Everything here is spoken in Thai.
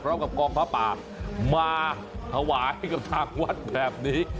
พร้อมกับกองพระป่ามาถวายให้กับทางวัดแบบนี้